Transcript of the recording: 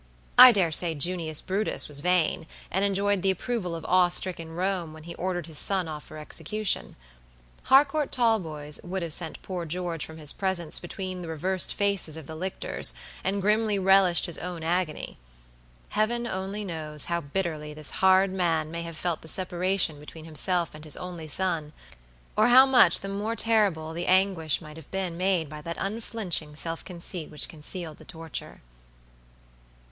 I dare say Junius Brutus was vain, and enjoyed the approval of awe stricken Rome when he ordered his son off for execution. Harcourt Talboys would have sent poor George from his presence between the reversed fasces of the lictors, and grimly relished his own agony. Heaven only knows how bitterly this hard man may have felt the separation between himself and his only son, or how much the more terrible the anguish might have been made by that unflinching self conceit which concealed the torture.